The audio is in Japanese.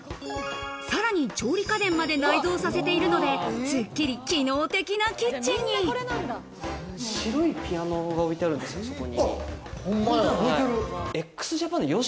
さらに調理家電まで内蔵させているので、すっきり機能的なキッチ白いピアノが置いてあるんですよ。